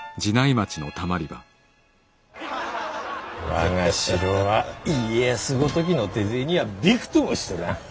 我が城は家康ごときの手勢にはビクともしとらん！